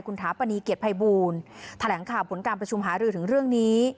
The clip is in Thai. คุณถาปณีเกียรติภัยบูลแถลงข่าวผลการประชุมหารือถึงเรื่องนี้